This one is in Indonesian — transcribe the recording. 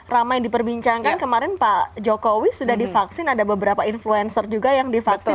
ramai diperbincangkan kemarin pak jokowi sudah divaksin ada beberapa influencer juga yang divaksin